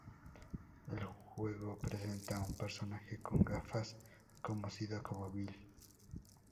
El juego presenta a un personaje con gafas, conocido como "Bill".